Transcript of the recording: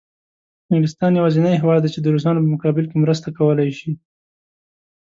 انګلستان یوازینی هېواد دی چې د روسانو په مقابل کې مرسته کولای شي.